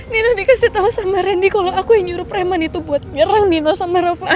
nino dikasih tahu sama randy kalau aku yang nyuruh preman itu buat nyerang nino sama rafael